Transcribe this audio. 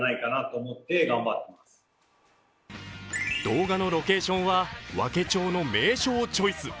動画のロケーションは和気町の名所をチョイス。